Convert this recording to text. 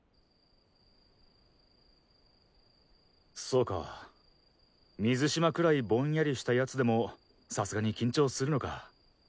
そうか水嶋くらいボンヤリした奴でもさすがに緊張するのか。